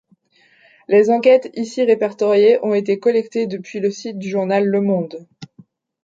Les enquêtes ici répertoriées ont été collectées depuis le site du journal Le Monde.